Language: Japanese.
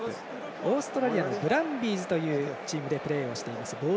オーストラリアのグランビーズというチームでプレーをしています。